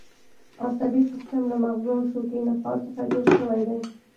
عصبي سیستم له مغزو او شوکي نخاع څخه جوړ شوی دی